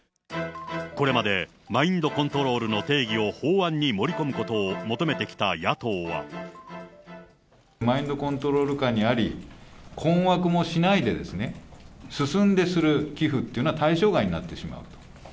これまでマインドコントロールの定義を法案に盛り込むことをマインドコントロール下にあり、困惑もしないでですね、進んでする寄付というのは対象外になってしまう。